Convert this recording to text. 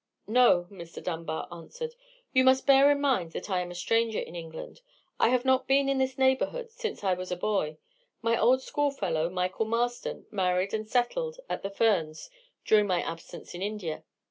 "No," Mr. Dunbar answered; "you must bear in mind that I am a stranger in England. I have not been in this neighbourhood since I was a boy. My old schoolfellow, Michael Marston, married and settled at the Ferns during my absence in India.